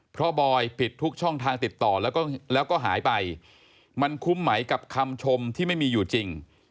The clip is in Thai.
เพราะบอยปิดทุกช่องทางติดต่อแล้วก็หายไปมันคุ้มไหมกับคำชมที่ไม่มีอยู่จริง